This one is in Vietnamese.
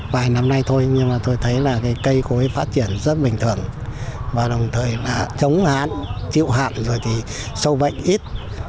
vài năm nay thôi nhưng mà tôi thấy là cây khối phát triển rất bình thường và đồng thời là chống hạn chịu hạn rồi thì sâu bệnh ít